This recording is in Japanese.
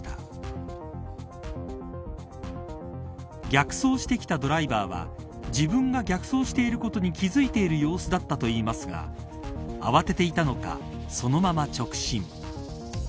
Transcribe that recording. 逆走してきたドライバーは自分が逆走していることに気付いている様子だったといいますが慌てていたのかそのまま直進。